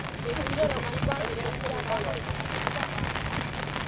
Estilo erromanikoan eraikia dago eta katolikoa da.